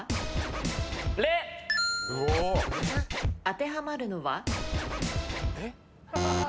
当てはまるのは？